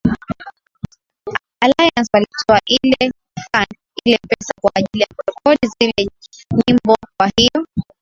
alliance walitoa ile fund ile pesa kwa ajili ya kurekodi zile nyimbo kwa hiyo